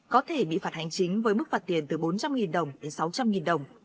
có thể bị phạt hành chính với mức phạt tiền từ bốn trăm linh đồng đến sáu trăm linh đồng